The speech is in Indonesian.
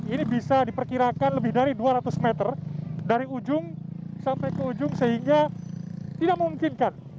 ini bisa diperkirakan lebih dari dua ratus meter dari ujung sampai ke ujung sehingga tidak memungkinkan